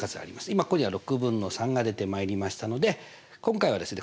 今ここには６分の３が出てまいりましたので今回はですね